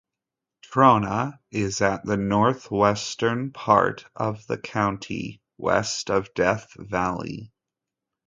Trona is at the northwestern part of the county west of Death Valley.